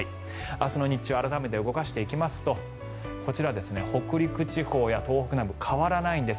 明日の日中改めて動かしていきますとこちら、北陸地方や東北南部変わらないんです。